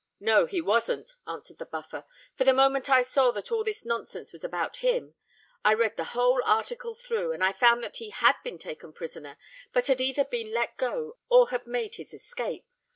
"No, he wasn't," answered the Buffer; "for the moment I saw that all this nonsense was about him, I read the whole article through; and I found that he had been taken prisoner, but had either been let go or had made his escape.